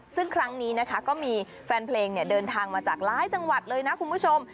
ซึ่งครั้งนี้นะคะก็มีแฟนเพลงเดินทางมาจากหลายจังหวัดเลยนะคุณผู้ชม